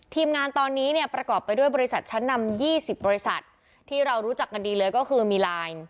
ทีมงานตอนนี้เนี่ยประกอบไปด้วยบริษัทชั้นนำ๒๐บริษัทที่เรารู้จักกันดีเลยก็คือมีไลน์